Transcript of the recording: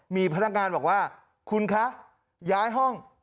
มีพนักงานบอกว่าคุณคะย้ายห้อง